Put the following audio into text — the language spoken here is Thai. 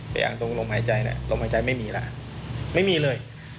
แต่อย่างตรงลมหายใจเนี่ยลมหายใจไม่มีล่ะไม่มีเลย